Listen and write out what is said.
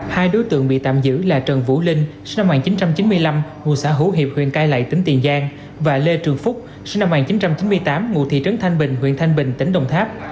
hai đối tượng bị tạm giữ là trần vũ linh sinh năm một nghìn chín trăm chín mươi năm ngụ xã hữu hiệp huyện cai lậy tỉnh tiền giang và lê trường phúc sinh năm một nghìn chín trăm chín mươi tám ngụ thị trấn thanh bình huyện thanh bình tỉnh đồng tháp